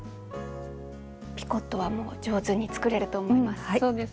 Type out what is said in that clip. ピコットはもう上手に作れると思います。